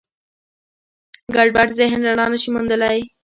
ګډوډ ذهن رڼا نهشي موندلی.